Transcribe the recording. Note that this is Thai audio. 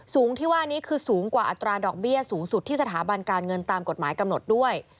สูงที่ว่านี้คือสูงกว่าอัตราดอกเบี้ยสูงสุดที่สถาบันการเงินตามกฎหมายกำหนดด้วย